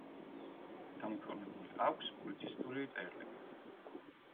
გამოქვეყნებული აქვს პუბლიცისტური წერილები.